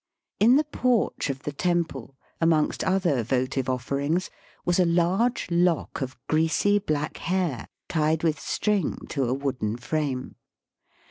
In the porch of the temple, amongst other votive offerings, was a large lock of greasy black hair tied with string to a wooden frame.